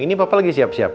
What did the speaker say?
ini papa lagi siap siap